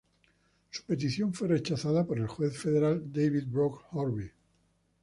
Su petición fue rechazada por el juez federal David Brock Hornby.